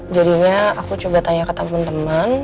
jadinya aku coba tanya ke temen temen